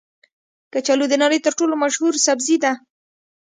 کچالو د نړۍ تر ټولو مشهوره سبزي ده